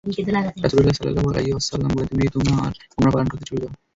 রাসূলুল্লাহ সাল্লাল্লাহু আলাইহি ওয়াসাল্লাম বললেন, তুমি তোমার উমরা পালন করতে চলে যাও।